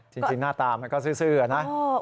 จริงหน้าตามันก็ซื้อนะ